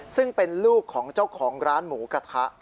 ซึ่งเป็นลูกของเจ้าของร้านหมูกระทะ